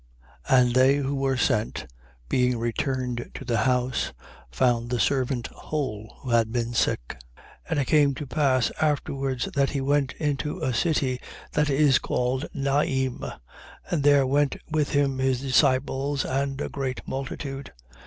7:10. And they who were sent, being returned to the house, found the servant whole who had been sick. 7:11. And it came to pass afterwards that he went into a city that is called Naim: and there went with him his disciples and a great multitude.